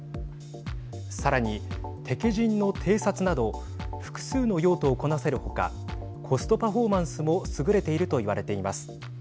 さらに敵陣の偵察など複数の用途をこなせる他コストパフォーマンスも優れていると言われています。